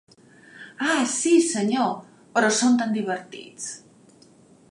Ah, sí, senyor; però són tan divertits!